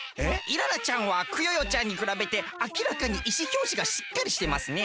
イララちゃんはクヨヨちゃんにくらべてあきらかにいしひょうじがしっかりしてますね。